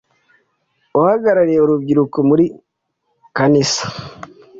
uhagarariye urubyiruko muri buri kanisa